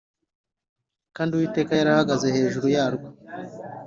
kandi uwiteka yari ahagaze hejuru yarwo